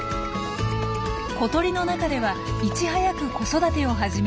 小鳥の中ではいち早く子育てを始めるモズ。